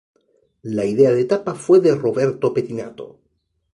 La idea de tapa fue de Roberto Pettinato.